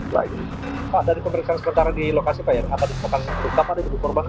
pak ada di pemerintahan sementara di lokasi pak ya